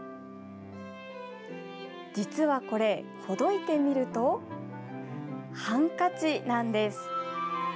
実はこれ、ほどいてみるとハンカチなんです。